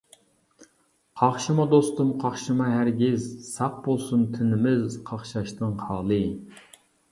قاقشىما دوستۇم قاقشىما ھەرگىز، ساق بولسۇن تىنىمىز قاقشاشتىن خالى.